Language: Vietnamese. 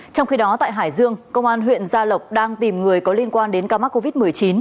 trong khi đó tại hải dương công an huyện gia lộc đang tìm người có liên quan đến ca mắc covid một mươi chín